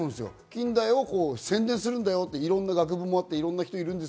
近大を宣伝する、いろんな学部もあって、いろんな人がいる。